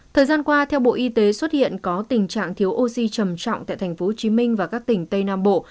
thời gian qua theo bộ y tế xuất hiện có tình trạng thiếu oxy trầm trọng tại tp hcm và các tỉnh tây nam bộ